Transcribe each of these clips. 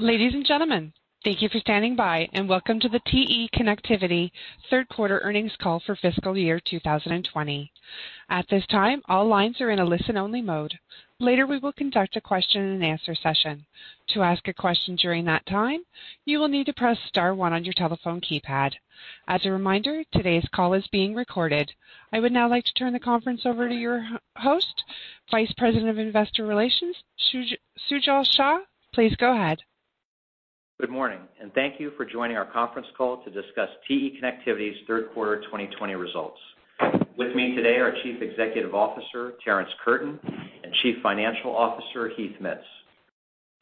Ladies and gentlemen, thank you for standing by, and welcome to the TE Connectivity third-quarter earnings call for fiscal year 2020. At this time, all lines are in a listen-only mode. Later, we will conduct a question-and-answer session. To ask a question during that time, you will need to press star one on your telephone keypad. As a reminder, today's call is being recorded. I would now like to turn the conference over to your host, Vice President of Investor Relations, Sujal Shah. Please go ahead. Good morning, and thank you for joining our conference call to discuss TE Connectivity's third-quarter 2020 results. With me today are Chief Executive Officer Terrence Curtin and Chief Financial Officer Heath Mitts.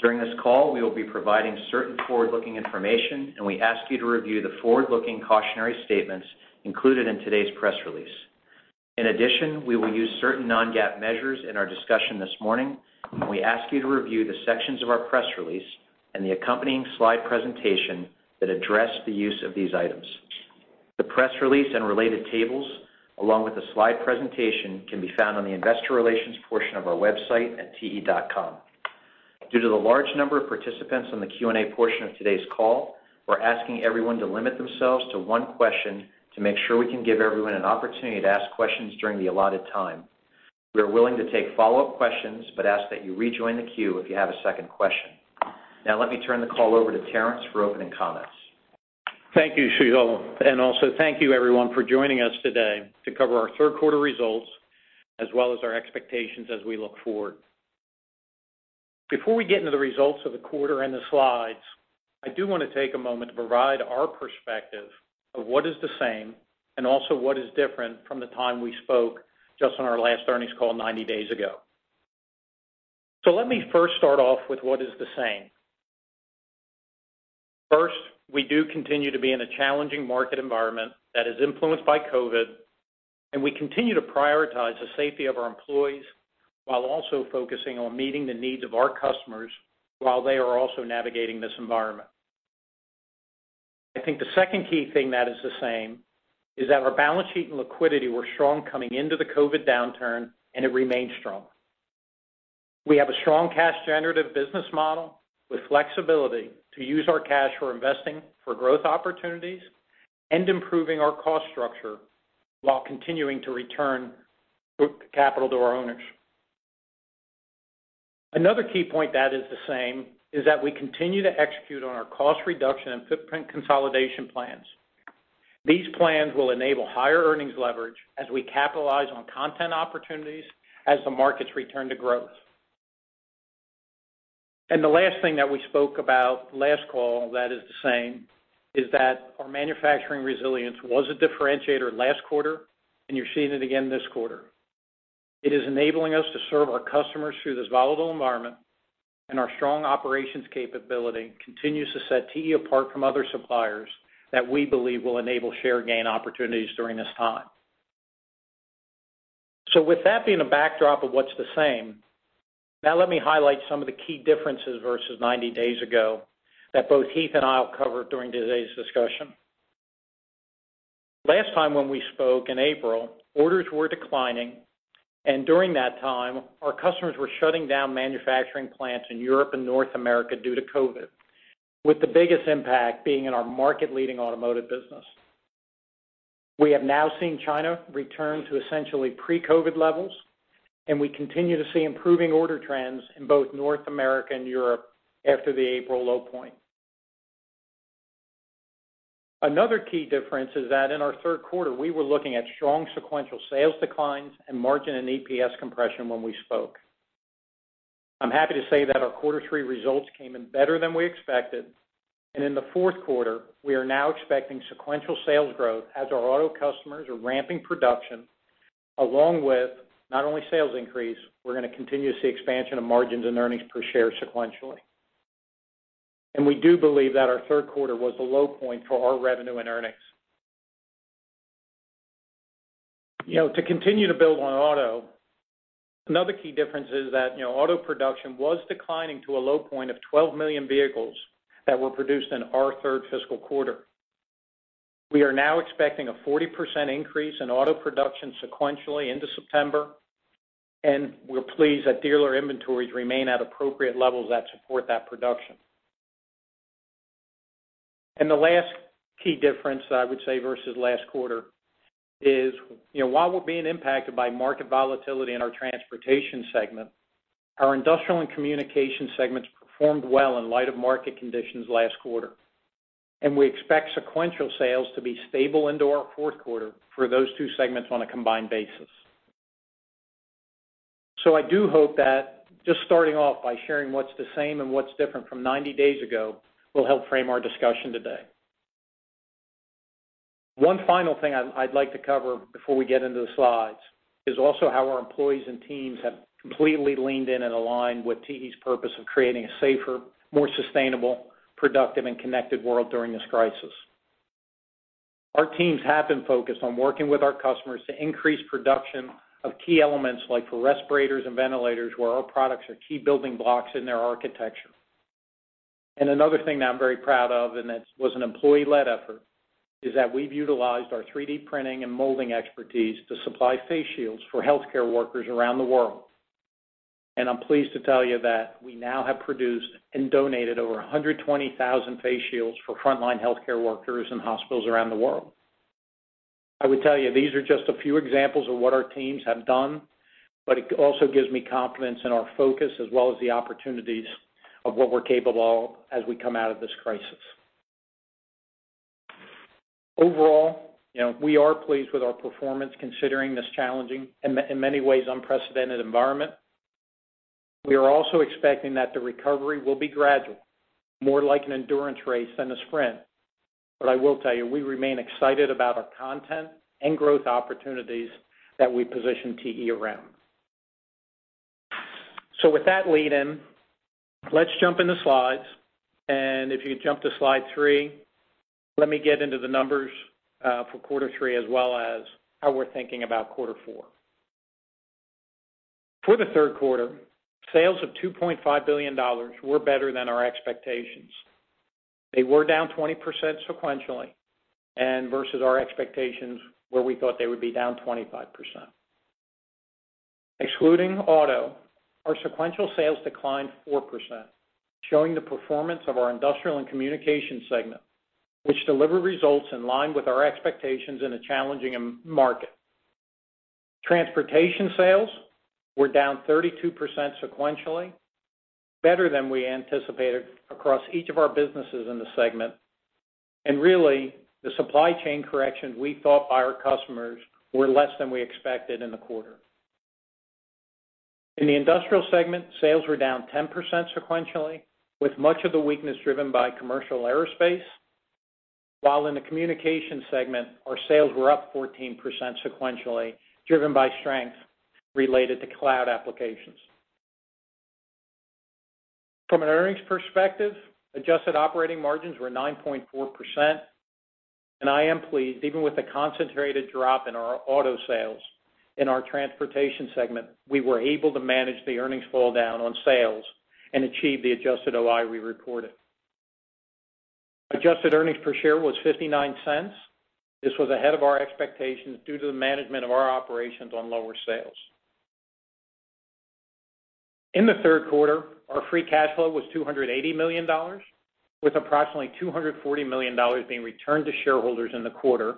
During this call, we will be providing certain forward-looking information, and we ask you to review the forward-looking cautionary statements included in today's press release. In addition, we will use certain non-GAAP measures in our discussion this morning, and we ask you to review the sections of our press release and the accompanying slide presentation that address the use of these items. The press release and related tables, along with the slide presentation, can be found on the investor relations portion of our website at te.com. Due to the large number of participants on the Q&A portion of today's call, we're asking everyone to limit themselves to one question to make sure we can give everyone an opportunity to ask questions during the allotted time. We are willing to take follow-up questions, but ask that you rejoin the queue if you have a second question. Now, let me turn the call over to Terrence for opening comments. Thank you, Sujal, and also, thank you, everyone, for joining us today to cover our third-quarter results as well as our expectations as we look forward. Before we get into the results of the quarter and the slides, I do want to take a moment to provide our perspective of what is the same and also what is different from the time we spoke just on our last earnings call 90 days ago, so let me first start off with what is the same. First, we do continue to be in a challenging market environment that is influenced by COVID, and we continue to prioritize the safety of our employees while also focusing on meeting the needs of our customers while they are also navigating this environment. I think the second key thing that is the same is that our balance sheet and liquidity were strong coming into the COVID downturn, and it remained strong. We have a strong cash-generative business model with flexibility to use our cash for investing for growth opportunities and improving our cost structure while continuing to return capital to our owners. Another key point that is the same is that we continue to execute on our cost reduction and footprint consolidation plans. These plans will enable higher earnings leverage as we capitalize on content opportunities as the markets return to growth. And the last thing that we spoke about last call that is the same is that our manufacturing resilience was a differentiator last quarter, and you're seeing it again this quarter. It is enabling us to serve our customers through this volatile environment, and our strong operations capability continues to set TE apart from other suppliers that we believe will enable share gain opportunities during this time. So with that being a backdrop of what's the same, now let me highlight some of the key differences versus 90 days ago that both Heath and I'll cover during today's discussion. Last time when we spoke in April, orders were declining, and during that time, our customers were shutting down manufacturing plants in Europe and North America due to COVID, with the biggest impact being in our market-leading automotive business. We have now seen China return to essentially pre-COVID levels, and we continue to see improving order trends in both North America and Europe after the April low point. Another key difference is that in our third quarter, we were looking at strong sequential sales declines and margin and EPS compression when we spoke. I'm happy to say that our quarter three results came in better than we expected, and in the fourth quarter, we are now expecting sequential sales growth as our auto customers are ramping production, along with not only sales increase, we're going to continue to see expansion of margins and earnings per share sequentially, and we do believe that our third quarter was a low point for our revenue and earnings. To continue to build on auto, another key difference is that auto production was declining to a low point of 12 million vehicles that were produced in our third fiscal quarter. We are now expecting a 40% increase in auto production sequentially into September, and we're pleased that dealer inventories remain at appropriate levels that support that production, and the last key difference that I would say versus last quarter is, while we're being impacted by market volatility in our transportation segment, our industrial and communication segments performed well in light of market conditions last quarter, and we expect sequential sales to be stable into our fourth quarter for those two segments on a combined basis, so I do hope that just starting off by sharing what's the same and what's different from 90 days ago will help frame our discussion today. One final thing I'd like to cover before we get into the slides is also how our employees and teams have completely leaned in and aligned with TE's purpose of creating a safer, more sustainable, productive, and connected world during this crisis. Our teams have been focused on working with our customers to increase production of key elements like for respirators and ventilators, where our products are key building blocks in their architecture. And another thing that I'm very proud of, and that was an employee-led effort, is that we've utilized our 3D printing and molding expertise to supply face shields for healthcare workers around the world. And I'm pleased to tell you that we now have produced and donated over 120,000 face shields for frontline healthcare workers and hospitals around the world. I would tell you these are just a few examples of what our teams have done, but it also gives me confidence in our focus as well as the opportunities of what we're capable of as we come out of this crisis. Overall, we are pleased with our performance considering this challenging and, in many ways, unprecedented environment. We are also expecting that the recovery will be gradual, more like an endurance race than a sprint. But I will tell you, we remain excited about our content and growth opportunities that we position TE around. So with that lead-in, let's jump into slides. And if you could jump to slide three, let me get into the numbers for quarter three as well as how we're thinking about quarter four. For the third quarter, sales of $2.5 billion were better than our expectations. They were down 20% sequentially versus our expectations where we thought they would be down 25%. Excluding auto, our sequential sales declined 4%, showing the performance of our industrial and communication segment, which delivered results in line with our expectations in a challenging market. Transportation sales were down 32% sequentially, better than we anticipated across each of our businesses in the segment. Really, the supply chain corrections we thought by our customers were less than we expected in the quarter. In the industrial segment, sales were down 10% sequentially, with much of the weakness driven by commercial aerospace. While in the communication segment, our sales were up 14% sequentially, driven by strength related to cloud applications. From an earnings perspective, adjusted operating margins were 9.4%. I am pleased, even with the concentrated drop in our auto sales in our transportation segment, we were able to manage the earnings fall down on sales and achieve the adjusted OI we reported. Adjusted earnings per share was $0.59. This was ahead of our expectations due to the management of our operations on lower sales. In the third quarter, our free cash flow was $280 million, with approximately $240 million being returned to shareholders in the quarter,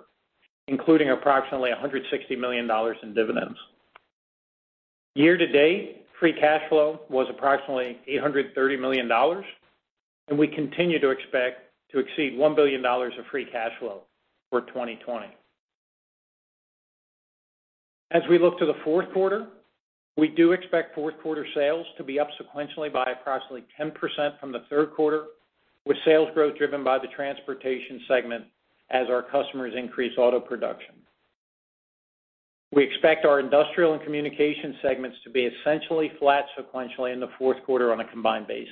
including approximately $160 million in dividends. Year-to-date, free cash flow was approximately $830 million, and we continue to expect to exceed $1 billion of free cash flow for 2020. As we look to the fourth quarter, we do expect fourth-quarter sales to be up sequentially by approximately 10% from the third quarter, with sales growth driven by the transportation segment as our customers increase auto production. We expect our industrial and communication segments to be essentially flat sequentially in the fourth quarter on a combined basis.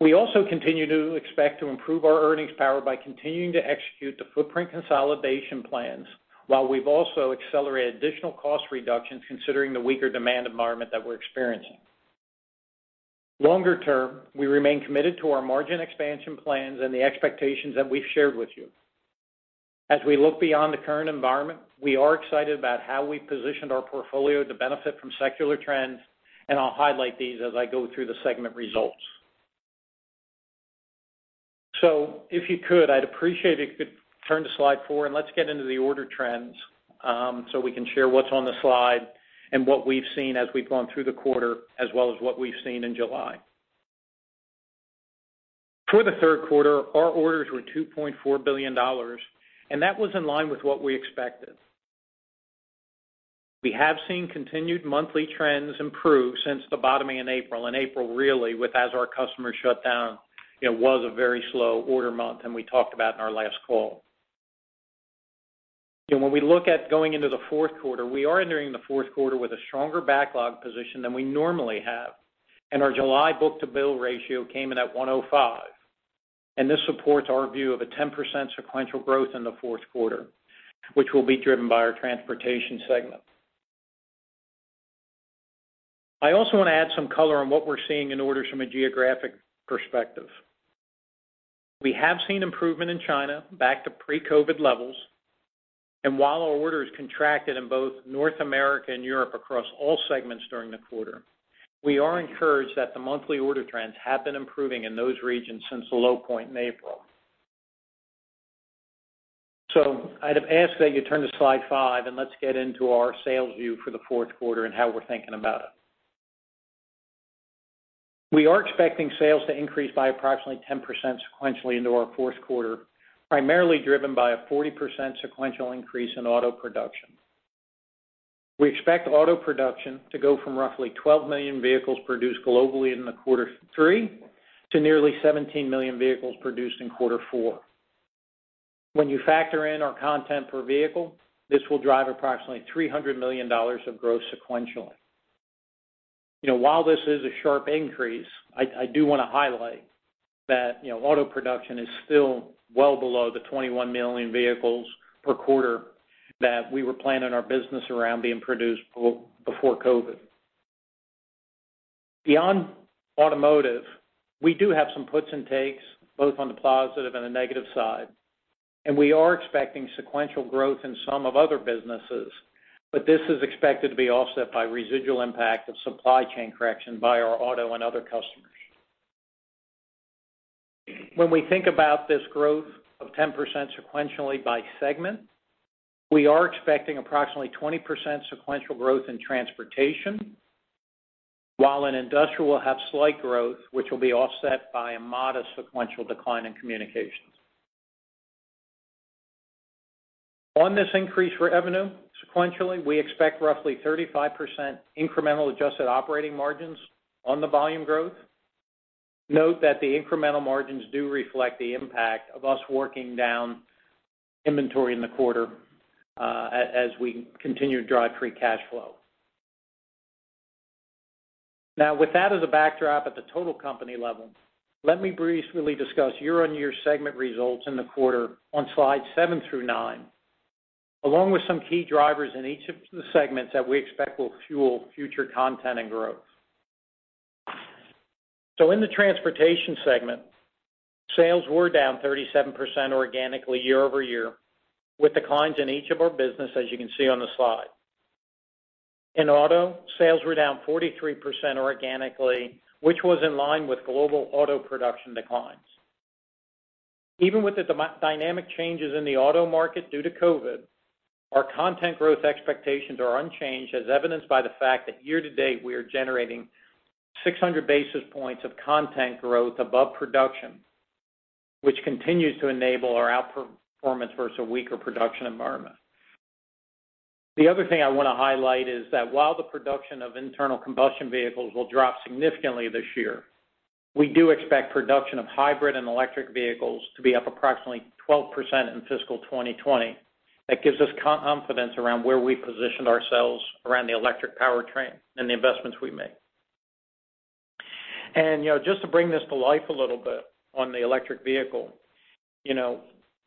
We also continue to expect to improve our earnings power by continuing to execute the footprint consolidation plans, while we've also accelerated additional cost reductions considering the weaker demand environment that we're experiencing. Longer term, we remain committed to our margin expansion plans and the expectations that we've shared with you. As we look beyond the current environment, we are excited about how we've positioned our portfolio to benefit from secular trends, and I'll highlight these as I go through the segment results. So if you could, I'd appreciate it if you could turn to slide four, and let's get into the order trends so we can share what's on the slide and what we've seen as we've gone through the quarter, as well as what we've seen in July. For the third quarter, our orders were $2.4 billion, and that was in line with what we expected. We have seen continued monthly trends improve since the bottoming in April, and April really, as our customer shutdown, was a very slow order month, and we talked about in our last call. When we look at going into the fourth quarter, we are entering the fourth quarter with a stronger backlog position than we normally have, and our July book-to-bill ratio came in at 105. And this supports our view of a 10% sequential growth in the fourth quarter, which will be driven by our transportation segment. I also want to add some color on what we're seeing in orders from a geographic perspective. We have seen improvement in China back to pre-COVID levels, and while our orders contracted in both North America and Europe across all segments during the quarter, we are encouraged that the monthly order trends have been improving in those regions since the low point in April. So I'd ask that you turn to slide five, and let's get into our sales view for the fourth quarter and how we're thinking about it. We are expecting sales to increase by approximately 10% sequentially into our fourth quarter, primarily driven by a 40% sequential increase in auto production. We expect auto production to go from roughly 12 million vehicles produced globally in the quarter three to nearly 17 million vehicles produced in quarter four. When you factor in our content per vehicle, this will drive approximately $300 million of growth sequentially. While this is a sharp increase, I do want to highlight that auto production is still well below the 21 million vehicles per quarter that we were planning our business around being produced before COVID. Beyond automotive, we do have some puts and takes, both on the positive and the negative side, and we are expecting sequential growth in some of other businesses, but this is expected to be offset by residual impact of supply chain correction by our auto and other customers. When we think about this growth of 10% sequentially by segment, we are expecting approximately 20% sequential growth in transportation, while in industrial, we'll have slight growth, which will be offset by a modest sequential decline in communications. On this increase for revenue sequentially, we expect roughly 35% incremental adjusted operating margins on the volume growth. Note that the incremental margins do reflect the impact of us working down inventory in the quarter as we continue to drive free cash flow. Now, with that as a backdrop at the total company level, let me briefly discuss year-on-year segment results in the quarter on slides seven through nine, along with some key drivers in each of the segments that we expect will fuel future content and growth. So in the transportation segment, sales were down 37% organically year over year, with declines in each of our businesses, as you can see on the slide. In auto, sales were down 43% organically, which was in line with global auto production declines. Even with the dynamic changes in the auto market due to COVID, our content growth expectations are unchanged, as evidenced by the fact that year-to-date, we are generating 600 basis points of content growth above production, which continues to enable our outperformance versus a weaker production environment. The other thing I want to highlight is that while the production of internal combustion vehicles will drop significantly this year, we do expect production of hybrid and electric vehicles to be up approximately 12% in fiscal 2020. That gives us confidence around where we've positioned ourselves around the electric power train and the investments we make. And just to bring this to life a little bit on the electric vehicle,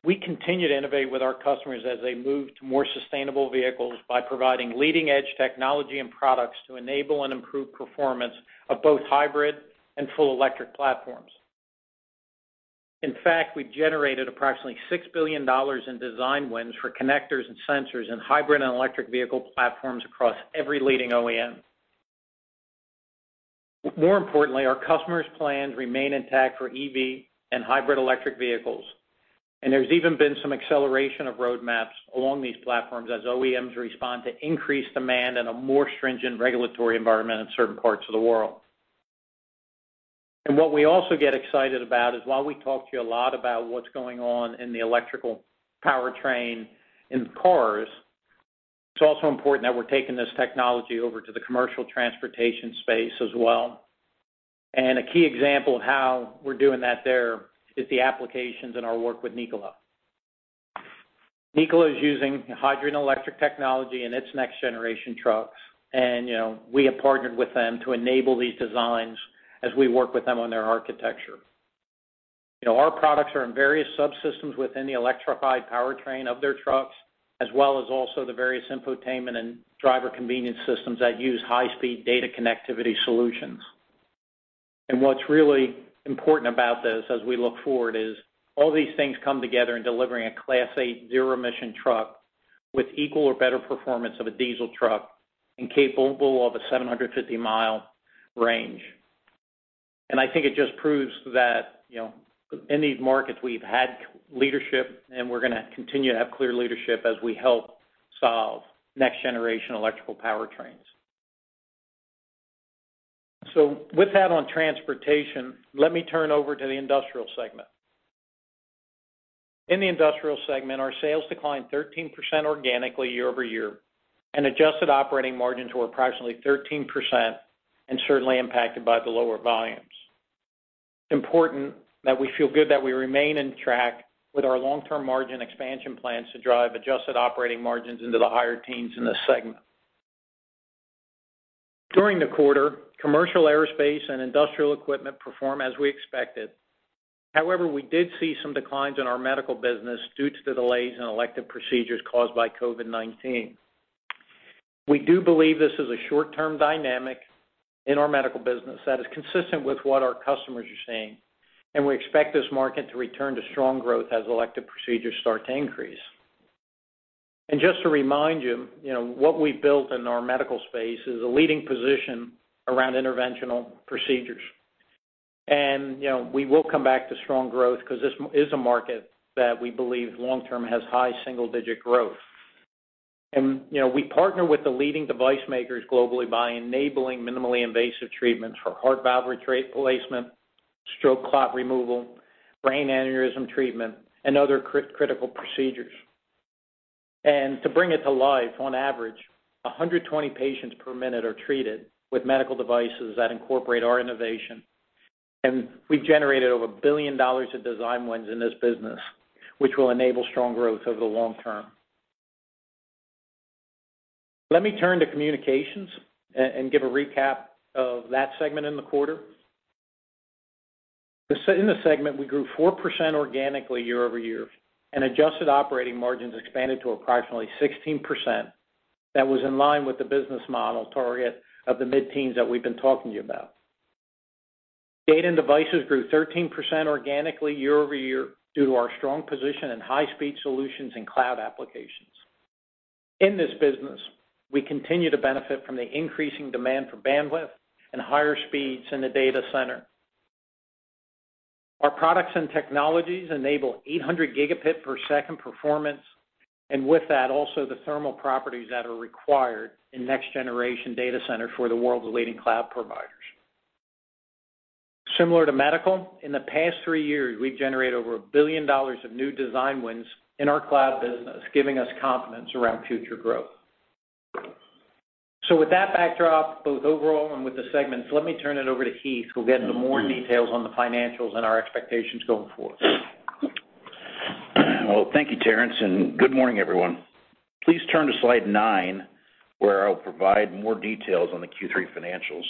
we continue to innovate with our customers as they move to more sustainable vehicles by providing leading-edge technology and products to enable and improve performance of both hybrid and full electric platforms. In fact, we've generated approximately $6 billion in design wins for connectors and sensors in hybrid and electric vehicle platforms across every leading OEM. More importantly, our customers' plans remain intact for EV and hybrid electric vehicles, and there's even been some acceleration of roadmaps along these platforms as OEMs respond to increased demand and a more stringent regulatory environment in certain parts of the world, and what we also get excited about is, while we talk to you a lot about what's going on in the electrical power train in cars, it's also important that we're taking this technology over to the commercial transportation space as well, and a key example of how we're doing that there is the applications in our work with Nikola. Nikola is using hydrogen electric technology in its next-generation trucks, and we have partnered with them to enable these designs as we work with them on their architecture. Our products are in various subsystems within the electrified power train of their trucks, as well as also the various infotainment and driver convenience systems that use high-speed data connectivity solutions. And what's really important about this as we look forward is all these things come together in delivering a Class 8 zero-emission truck with equal or better performance of a diesel truck and capable of a 750-mile range. And I think it just proves that in these markets, we've had leadership, and we're going to continue to have clear leadership as we help solve next-generation electrical power trains. So with that on transportation, let me turn over to the industrial segment. In the industrial segment, our sales declined 13% organically year over year, and adjusted operating margins were approximately 13%, and certainly impacted by the lower volumes. It's important that we feel good that we remain on track with our long-term margin expansion plans to drive adjusted operating margins into the higher teens in this segment. During the quarter, commercial aerospace and industrial equipment performed as we expected. However, we did see some declines in our medical business due to the delays in elective procedures caused by COVID-19. We do believe this is a short-term dynamic in our medical business that is consistent with what our customers are seeing, and we expect this market to return to strong growth as elective procedures start to increase. Just to remind you, what we've built in our medical space is a leading position around interventional procedures. We will come back to strong growth because this is a market that we believe long-term has high single-digit growth. We partner with the leading device makers globally by enabling minimally invasive treatments for heart valve replacement, stroke clot removal, brain aneurysm treatment, and other critical procedures. To bring it to life, on average, 120 patients per minute are treated with medical devices that incorporate our innovation. We've generated over $1 billion of design wins in this business, which will enable strong growth over the long term. Let me turn to communications and give a recap of that segment in the quarter. In the segment, we grew 4% organically year over year, and adjusted operating margins expanded to approximately 16%. That was in line with the business model target of the mid-teens that we've been talking to you about. Data and Devices grew 13% organically year over year due to our strong position in high-speed solutions and cloud applications. In this business, we continue to benefit from the increasing demand for bandwidth and higher speeds in the data center. Our products and technologies enable 800 gigabit per second performance, and with that, also the thermal properties that are required in next-generation data centers for the world's leading cloud providers. Similar to medical, in the past three years, we've generated over $1 billion of new design wins in our cloud business, giving us confidence around future growth. So with that backdrop, both overall and with the segments, let me turn it over to Heath, who'll get into more details on the financials and our expectations going forward. Thank you, Terrence. Good morning, everyone. Please turn to slide nine, where I'll provide more details on the Q3 financials.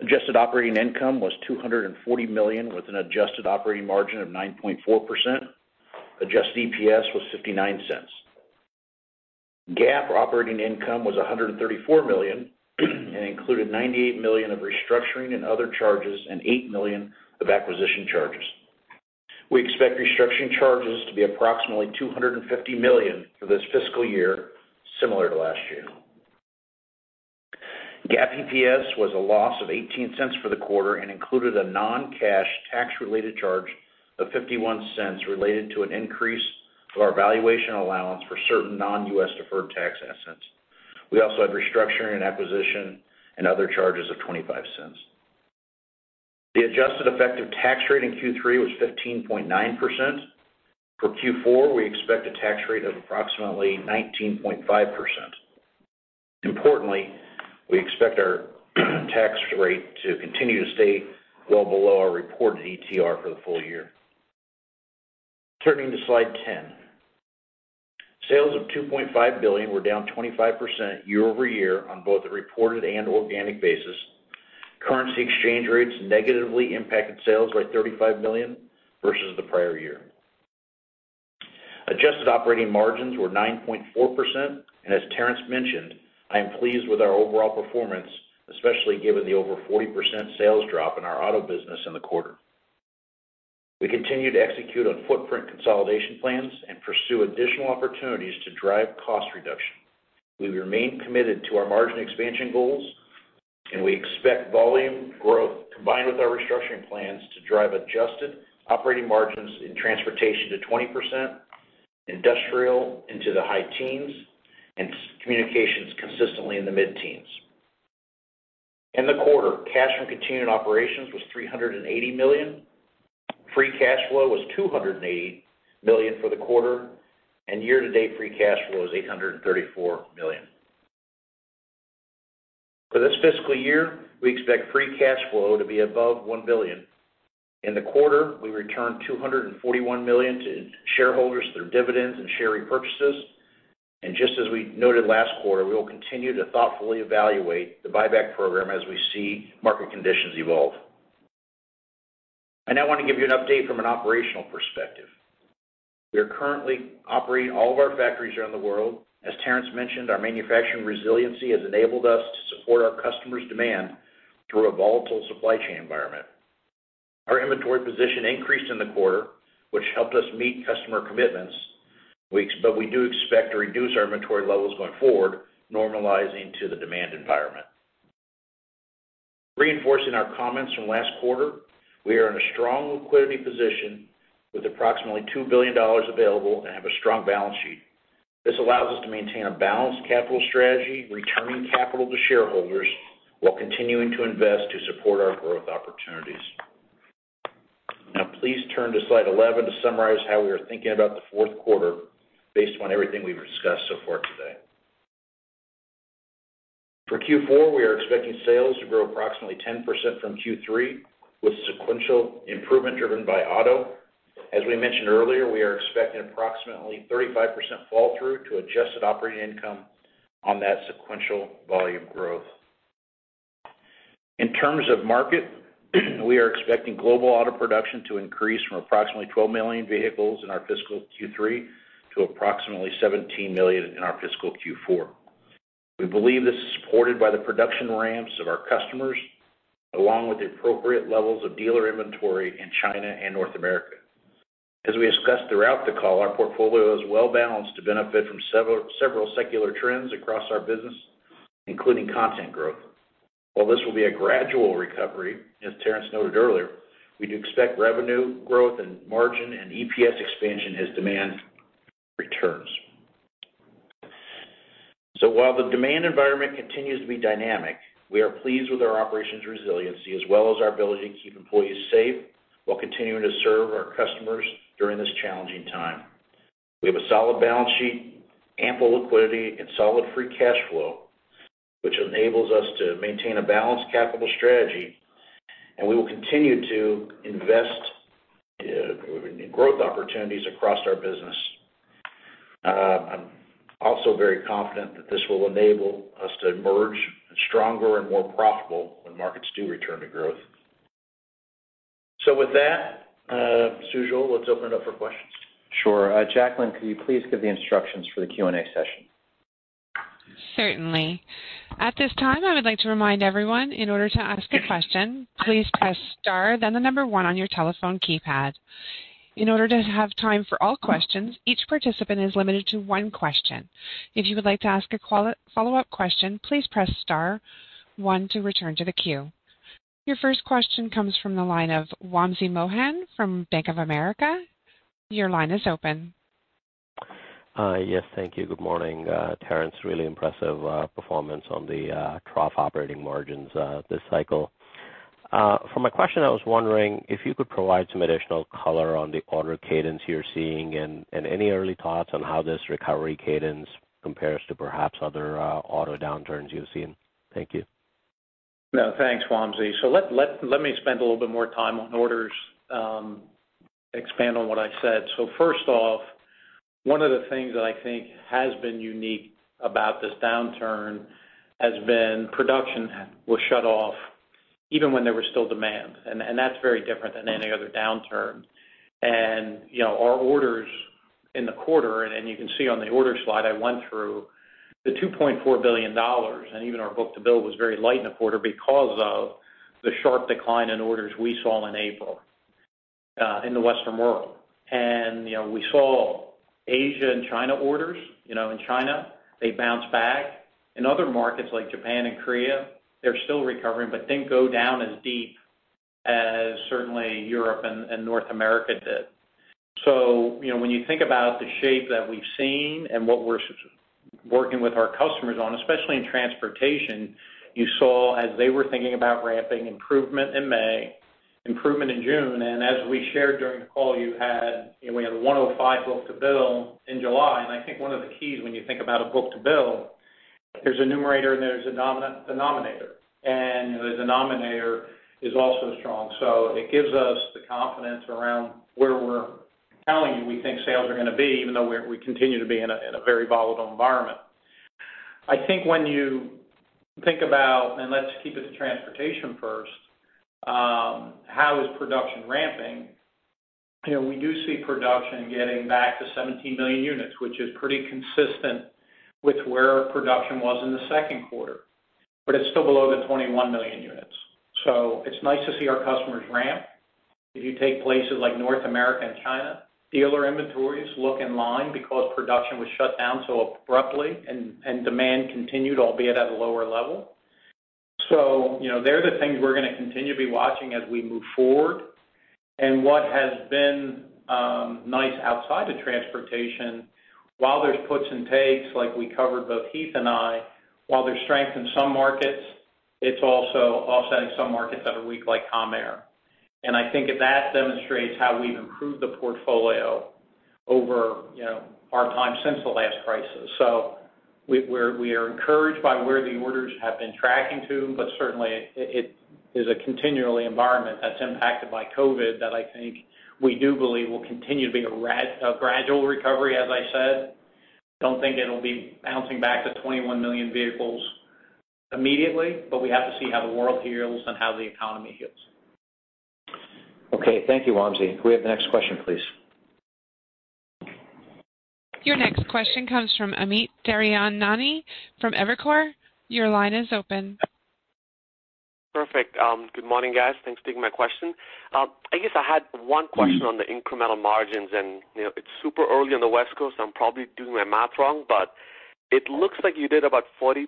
Adjusted operating income was $240 million, with an adjusted operating margin of 9.4%. Adjusted EPS was $0.59. GAAP operating income was $134 million and included $98 million of restructuring and other charges and $8 million of acquisition charges. We expect restructuring charges to be approximately $250 million for this fiscal year, similar to last year. GAAP EPS was a loss of $0.18 for the quarter and included a non-cash tax-related charge of $0.51 related to an increase of our valuation allowance for certain non-U.S. deferred tax assets. We also had restructuring and acquisition and other charges of $0.25. The adjusted effective tax rate in Q3 was 15.9%. For Q4, we expect a tax rate of approximately 19.5%. Importantly, we expect our tax rate to continue to stay well below our reported ETR for the full year. Turning to slide 10, sales of $2.5 billion were down 25% year over year on both the reported and organic basis. Currency exchange rates negatively impacted sales by $35 million versus the prior year. Adjusted operating margins were 9.4%. And as Terrence mentioned, I am pleased with our overall performance, especially given the over 40% sales drop in our auto business in the quarter. We continue to execute on footprint consolidation plans and pursue additional opportunities to drive cost reduction. We remain committed to our margin expansion goals, and we expect volume growth combined with our restructuring plans to drive adjusted operating margins in transportation to 20%, industrial into the high teens, and communications consistently in the mid-teens. In the quarter, cash from continuing operations was $380 million. Free cash flow was $280 million for the quarter, and year-to-date free cash flow is $834 million. For this fiscal year, we expect free cash flow to be above $1 billion. In the quarter, we returned $241 million to shareholders through dividends and share repurchases. And just as we noted last quarter, we will continue to thoughtfully evaluate the buyback program as we see market conditions evolve. I now want to give you an update from an operational perspective. We are currently operating all of our factories around the world. As Terrence mentioned, our manufacturing resiliency has enabled us to support our customers' demand through a volatile supply chain environment. Our inventory position increased in the quarter, which helped us meet customer commitments, but we do expect to reduce our inventory levels going forward, normalizing to the demand environment. Reinforcing our comments from last quarter, we are in a strong liquidity position with approximately $2 billion available and have a strong balance sheet. This allows us to maintain a balanced capital strategy, returning capital to shareholders while continuing to invest to support our growth opportunities. Now, please turn to slide 11 to summarize how we are thinking about the fourth quarter based on everything we've discussed so far today. For Q4, we are expecting sales to grow approximately 10% from Q3, with sequential improvement driven by auto. As we mentioned earlier, we are expecting approximately 35% fall-through to adjusted operating income on that sequential volume growth. In terms of market, we are expecting global auto production to increase from approximately 12 million vehicles in our fiscal Q3 to approximately 17 million in our fiscal Q4. We believe this is supported by the production ramps of our customers, along with the appropriate levels of dealer inventory in China and North America. As we discussed throughout the call, our portfolio is well-balanced to benefit from several secular trends across our business, including content growth. While this will be a gradual recovery, as Terrence noted earlier, we do expect revenue growth and margin and EPS expansion as demand returns. So while the demand environment continues to be dynamic, we are pleased with our operations resiliency as well as our ability to keep employees safe while continuing to serve our customers during this challenging time. We have a solid balance sheet, ample liquidity, and solid free cash flow, which enables us to maintain a balanced capital strategy, and we will continue to invest in growth opportunities across our business. I'm also very confident that this will enable us to emerge stronger and more profitable when markets do return to growth. So with that, Sujal, let's open it up for questions. Sure. Jacqueline, could you please give the instructions for the Q&A session? Certainly. At this time, I would like to remind everyone, in order to ask a question, please press star, then the number one on your telephone keypad. In order to have time for all questions, each participant is limited to one question. If you would like to ask a follow-up question, please press star, one to return to the queue. Your first question comes from the line of Wamsi Mohan from Bank of America. Your line is open. Yes, thank you. Good morning. Terrence, really impressive performance on the trough operating margins this cycle. For my question, I was wondering if you could provide some additional color on the order cadence you're seeing and any early thoughts on how this recovery cadence compares to perhaps other auto downturns you've seen? Thank you. No, thanks, Wamsi. So let me spend a little bit more time on orders, expand on what I said. So first off, one of the things that I think has been unique about this downturn has been production was shut off even when there was still demand. And that's very different than any other downturn. And our orders in the quarter, and you can see on the order slide I went through, the $2.4 billion, and even our book to bill was very light in the quarter because of the sharp decline in orders we saw in April in the Western world. And we saw Asia and China orders. In China, they bounced back. In other markets like Japan and Korea, they're still recovering, but didn't go down as deep as certainly Europe and North America did. So when you think about the shape that we've seen and what we're working with our customers on, especially in transportation, you saw as they were thinking about ramping improvement in May, improvement in June. And as we shared during the call, we had a 105 book-to-bill in July. And I think one of the keys when you think about a book-to-bill, there's a numerator and there's a denominator. And the denominator is also strong. So it gives us the confidence around where we're telling you we think sales are going to be, even though we continue to be in a very volatile environment. I think when you think about, and let's keep it to transportation first, how is production ramping, we do see production getting back to 17 million units, which is pretty consistent with where production was in the second quarter. But it's still below the 21 million units. So it's nice to see our customers ramp. If you take places like North America and China, dealer inventories look in line because production was shut down so abruptly and demand continued, albeit at a lower level. So they're the things we're going to continue to be watching as we move forward. And what has been nice outside of transportation, while there's puts and takes, like we covered both Heath and I, while there's strength in some markets, it's also offsetting some markets that are weak like commercial air. And I think that demonstrates how we've improved the portfolio over our time since the last crisis. We are encouraged by where the orders have been tracking to, but certainly it is a challenging environment that's impacted by COVID that I think we do believe will continue to be a gradual recovery, as I said. Don't think it'll be bouncing back to 21 million vehicles immediately, but we have to see how the world heals and how the economy heals. Okay. Thank you, Wamsi. We have the next question, please. Your next question comes from Amit Daryanani from Evercore. Your line is open. Perfect. Good morning, guys. Thanks for taking my question. I guess I had one question on the incremental margins, and it's super early on the West Coast. I'm probably doing my math wrong, but it looks like you did about 43%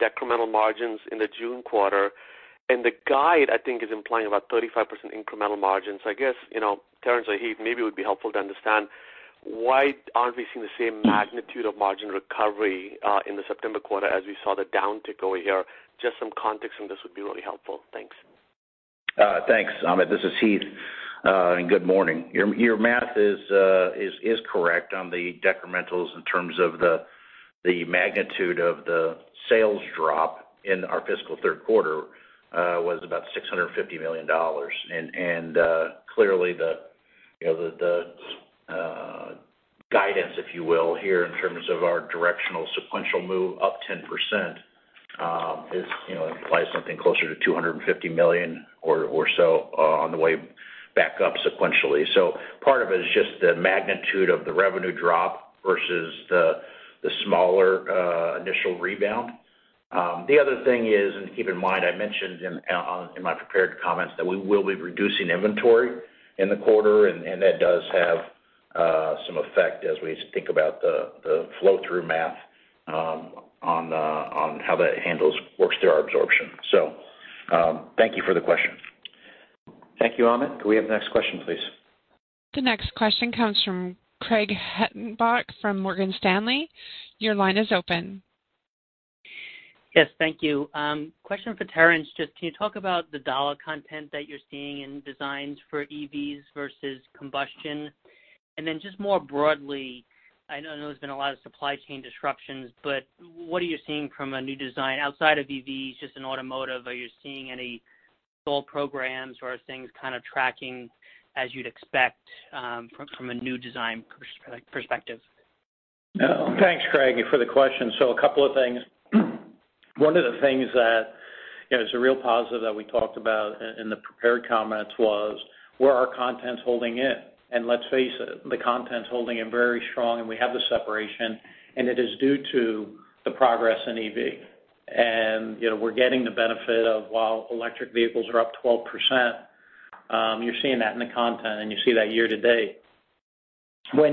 decremental margins in the June quarter. And the guide, I think, is implying about 35% incremental margins. So I guess, Terrence or Heath, maybe it would be helpful to understand why aren't we seeing the same magnitude of margin recovery in the September quarter as we saw the downtick over here? Just some context on this would be really helpful. Thanks. Thanks. This is Heath and good morning. Your math is correct on the decrementals in terms of the magnitude of the sales drop in our fiscal third quarter was about $650 million, and clearly, the guidance, if you will, here in terms of our directional sequential move up 10% implies something closer to $250 million or so on the way back up sequentially, so part of it is just the magnitude of the revenue drop versus the smaller initial rebound. The other thing is, and keep in mind, I mentioned in my prepared comments that we will be reducing inventory in the quarter, and that does have some effect as we think about the flow-through math on how that works through our absorption, so thank you for the question. Thank you, Amit. Can we have the next question, please? The next question comes from Craig Hettenbach from Morgan Stanley. Your line is open. Yes, thank you. Question for Terrence, just can you talk about the dollar content that you're seeing in designs for EVs versus combustion? And then just more broadly, I know there's been a lot of supply chain disruptions, but what are you seeing from a new design outside of EVs, just in automotive? Are you seeing any slow programs or are things kind of tracking as you'd expect from a new design perspective? Thanks, Craig, for the question. So a couple of things. One of the things that is a real positive that we talked about in the prepared comments was where our content's holding in. And let's face it, the content's holding in very strong, and we have the separation, and it is due to the progress in EV. And we're getting the benefit of, while electric vehicles are up 12%, you're seeing that in the content, and you see that year to date. When.